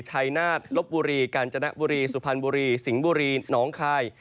ชัยนาฬลบบุรีกาญจณะบุรีสุภัณฑ์บุรีสิงห์บุรีน้องคาย